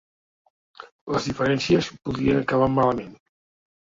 Les diferències podrien acabar malament.